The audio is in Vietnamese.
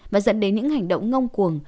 và dẫn đến những hành động ngông cuồng